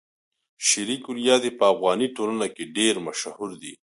شعري کلیات يې په افغاني ټولنه کې ډېر مشهور دي.